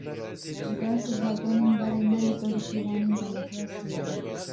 Ji ber ku zagonên berê, ne li gorî pîvanên demokrasiyê ne